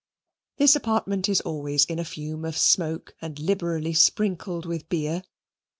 This apartment is always in a fume of smoke and liberally sprinkled with beer.